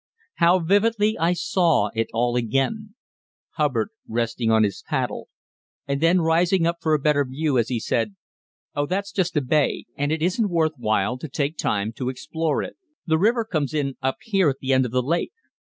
How vividly I saw it all again Hubbard resting on his paddle, and then rising up for a better view, as he said, "Oh, that's just a bay and it isn't worth while to take time to explore it. The river comes in up here at the end of the lake.